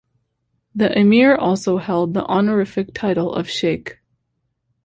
The Emir also held the honorific title of sheikh.